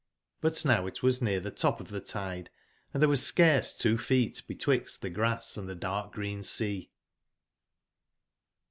But now it was near the top of the tide, and there was scarce two feet betwixt the grass and the darh/ green sea.